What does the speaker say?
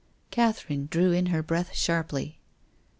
Catherine drew in her breath sharply.